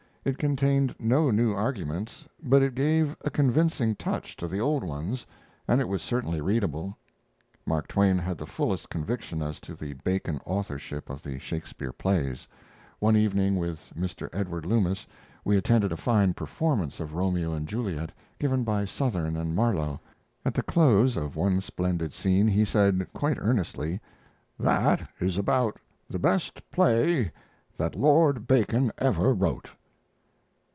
It contained no new arguments; but it gave a convincing touch to the old ones, and it was certainly readable. [Mark Twain had the fullest conviction as to the Bacon authorship of the Shakespeare plays. One evening, with Mr. Edward Loomis, we attended a fine performance of "Romeo and Juliet" given by Sothern and Marlowe. At the close of one splendid scene he said, quite earnestly, "That is about the best play that Lord Bacon ever wrote."